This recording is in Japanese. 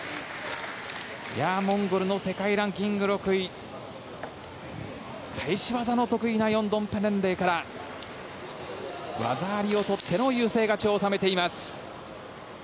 モンゴルの世界ランキング６位返し技の得意なヨンドンペレンレイから技ありを取っての優勢勝ちを決めています。